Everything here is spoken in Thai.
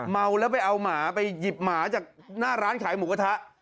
เมาแล้วไปเอาหมาไปหยิบหมาจากหน้าร้านขายหมูกระทะ